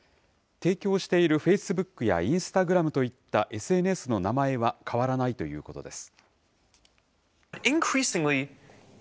提供しているフェイスブックやインスタグラムといったＳＮＳの名前は変わらないということです。